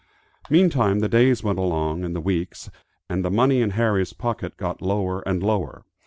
Meantime the days went along and the weeks, and the money in Harry's pocket got lower and lower.